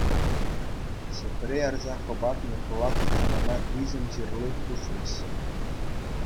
Ҫӗпре ярса хӑпартнӑ пылак чустана иҫӗм ҫырли хушрӗҫ.